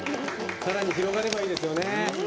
さらに広がればいいですね。